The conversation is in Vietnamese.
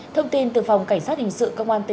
thông tin từ phòng cảnh sát hình sự công an tỉnh khánh bắc